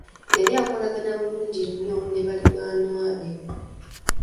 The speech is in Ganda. Yali akolagana bulungi nnyo ne balirwana be.